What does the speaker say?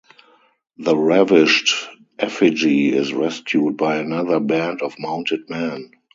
The ravished effigy is rescued by another band of mounted men.